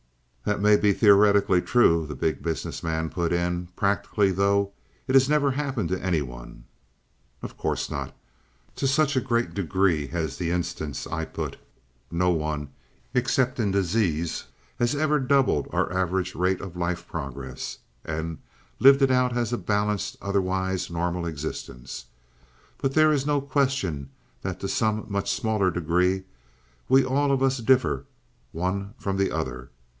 "That may be theoretically true," the Big Business Man put in. "Practically, though, it has never happened to any one." "Of course not, to such a great degree as the instance I put. No one, except in disease, has ever doubled our average rate of life progress, and lived it out as a balanced, otherwise normal existence. But there is no question that to some much smaller degree we all of us differ one from the other.